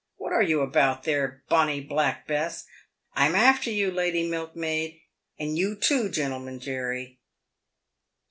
— what are you about there, Bonny Black Bess ?— I'm after you, Lady Milk maid — and you too, Gentleman Jerry